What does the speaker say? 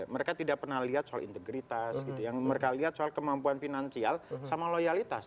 mereka tidak pernah lihat soal integritas gitu yang mereka lihat soal kemampuan finansial sama loyalitas